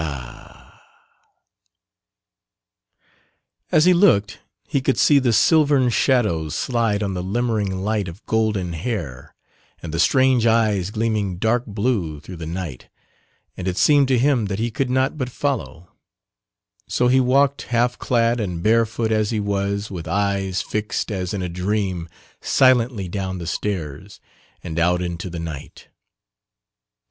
And as he looked he could see the silvern shadows slide on the limmering light of golden hair, and the strange eyes gleaming dark blue through the night and it seemed to him that he could not but follow; so he walked half clad and bare foot as he was with eyes fixed as in a dream silently down the stairs and out into the night.